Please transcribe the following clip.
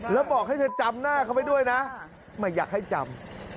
แล้วบอกให้เธอจำหน้าเขาไปด้วยนะไม่อยากให้จำ